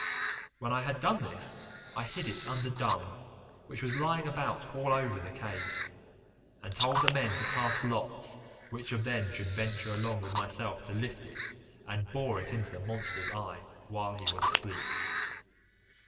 When I had done this I hid it under dung, which was lying about all over the cave, and told the men to cast lots which of them should venture along with myself to lift it and bore it into the monster's eye while he was asleep.